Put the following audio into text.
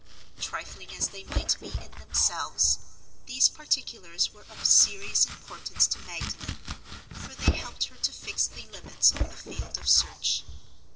Trifling as they might be in themselves, these particulars were of serious importance to Magdalen, for they helped her to fix the limits of the field of search.